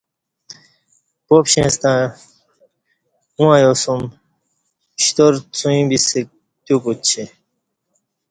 پاپشیں ستݩع اوں ایاسوم شتار څوعی بِسہ تیو کُچی